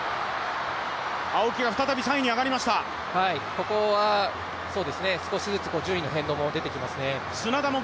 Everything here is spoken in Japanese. ここは少しずつ順位の変動も出てきますね。